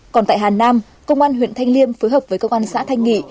còn tại hà nam công an huyện thanh liêm phối hợp với công an xã thanh nghị